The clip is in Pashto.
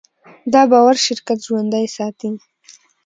دا باور شرکت ژوندی ساتي.